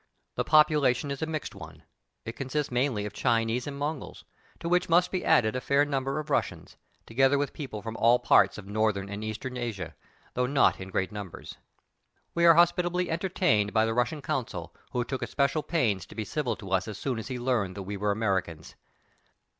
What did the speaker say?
The population is a mixed one; it consists mainly of Chinese and Mongols, to which must be added a fair number of Russians, together with people from all parts of Northern and Eastern Asia, though not in great numbers. We are hospitably entertained by the Russian consul, who took especial pains to be civil to us as soon as he learned that we were Americans.